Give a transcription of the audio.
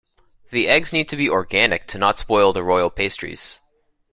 The eggs need to be organic to not spoil the royal pastries.